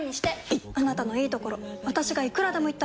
いっあなたのいいところ私がいくらでも言ってあげる！